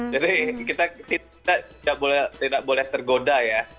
jadi kita tidak boleh tergoda ya